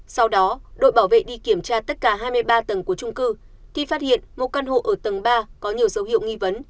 sau đó đội bảo vệ đi kiểm tra tất cả hai mươi ba tầng của trung cư thì phát hiện một căn hộ ở tầng ba có nhiều dấu hiệu nghi vấn